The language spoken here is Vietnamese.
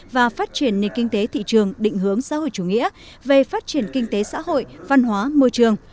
và phát triển nền kinh tế thị trường định hướng xã hội chủ nghĩa về phát triển kinh tế xã hội văn hóa môi trường